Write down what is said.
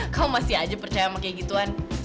kamu masih aja percaya sama kegituan